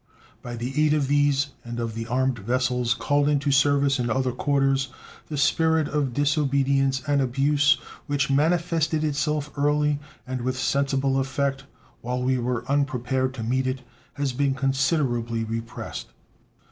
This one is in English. By the aid of these and of the armed vessels called into service in other quarters the spirit of disobedience and abuse, which manifested itself early and with sensible effect while we were unprepared to meet it, has been considerably repressed.